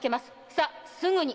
さすぐに！